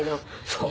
そう。